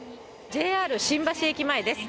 ＪＲ新橋駅前です。